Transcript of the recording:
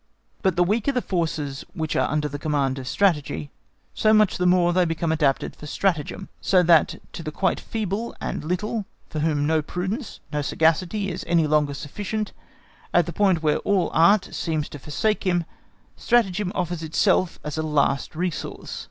But the weaker the forces become which are under the command of Strategy, so much the more they become adapted for stratagem, so that to the quite feeble and little, for whom no prudence, no sagacity is any longer sufficient at the point where all art seems to forsake him, stratagem offers itself as a last resource.